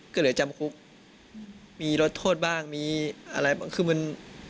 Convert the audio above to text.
ก็เหลือจำคุกมีลดโทษบ้างมีอะไรคือมัน